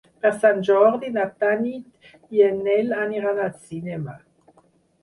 Per Sant Jordi na Tanit i en Nel aniran al cinema.